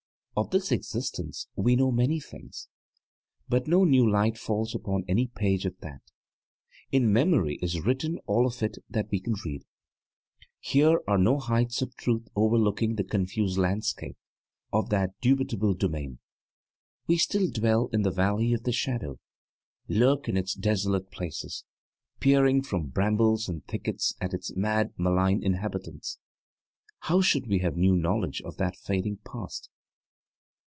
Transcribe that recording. Of this existence we know many things, but no new light falls upon any page of that; in memory is written all of it that we can read. Here are no heights of truth overlooking the confused landscape of that dubitable domain. We still dwell in the Valley of the Shadow, lurk in its desolate places, peering from brambles and thickets at its mad, malign inhabitants. How should we have new knowledge of that fading past?